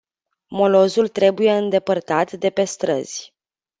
Molozul trebuie îndepărtat de pe străzi.